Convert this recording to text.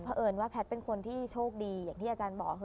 เพราะเอิญว่าแพทย์เป็นคนที่โชคดีอย่างที่อาจารย์บอกคือ